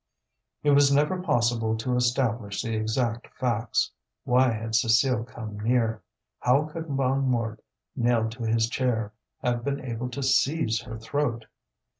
It was never possible to establish the exact facts. Why had Cécile come near? How could Bonnemort, nailed to his chair, have been able to seize her throat?